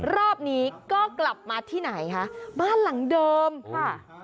รอบนี้ก็กลับมาที่ไหนคะบ้านหลังเดิมค่ะ